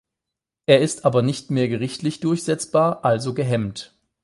Er ist aber nicht mehr gerichtlich durchsetzbar, also gehemmt.